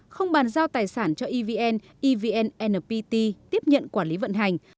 không bàn giao tài sản cho evn evn npt tiếp nhận quản lý vận hành